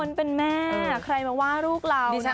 มันเป็นแม่ใครมาว่าลูกเราน่ะเราก็เจ็บ